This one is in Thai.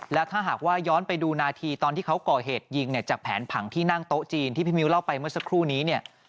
แล้วถ้าหากว่าย้อนไปดูนาทีตอนที่เขาก่อเหตุยิงเนี่ย